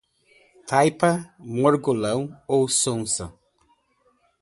Taipa, mongolão ou sonsa